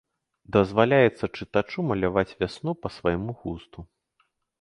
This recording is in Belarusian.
Дазваляецца чытачу маляваць вясну па свайму густу.